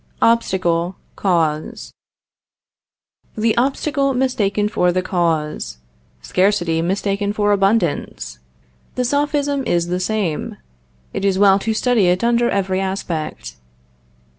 OBSTACLE CAUSE. The obstacle mistaken for the cause scarcity mistaken for abundance. The sophism is the same. It is well to study it under every aspect.